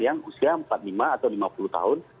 yang usia empat puluh lima atau lima puluh tahun